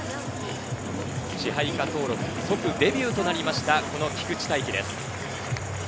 支配下登録即デビューとなった菊地大稀です。